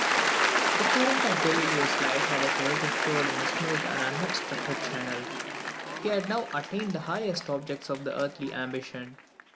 _ The current of Galileo's life had hitherto flowed in a smooth and unobstructed channel. He had now attained the highest objects of earthly ambition.